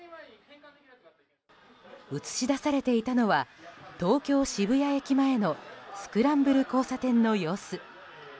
映し出されていたのは東京・渋谷駅前のスクランブル交差点の様子。